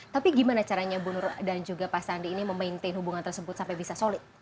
tapi gimana caranya bu nur dan juga pak sandi ini memaintain hubungan tersebut sampai bisa solid